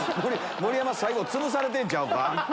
盛山最後つぶれてんちゃうか？